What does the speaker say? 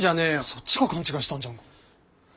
そっちが勘違いしたんじゃん。